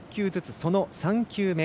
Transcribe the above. その３球目。